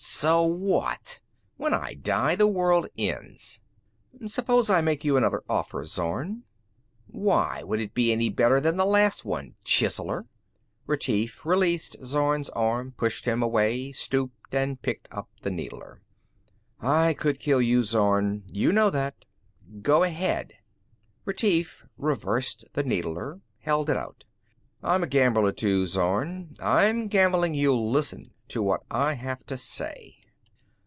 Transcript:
"So what? When I die, the world ends." "Suppose I make you another offer, Zorn?" "Why would it be any better than the last one, chiseler?" Retief released Zorn's arm, pushed him away, stooped and picked up the needler. "I could kill you, Zorn. You know that." "Go ahead!" Retief reversed the needler, held it out. "I'm a gambler too, Zorn. I'm gambling you'll listen to what I have to say."